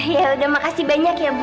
yaudah makasih banyak ya bu